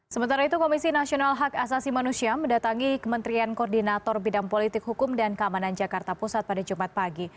sementara itu komisi nasional hak asasi manusia mendatangi kementerian koordinator bidang politik hukum dan keamanan jakarta pusat pada jumat pagi